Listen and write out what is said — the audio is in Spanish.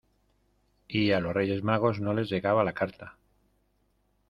y a los Reyes Magos no les llegaba la carta.